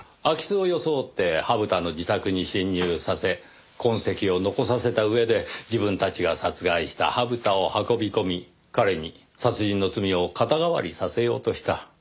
空き巣を装って土生田の自宅に侵入させ痕跡を残させた上で自分たちが殺害した土生田を運び込み彼に殺人の罪を肩代わりさせようとした。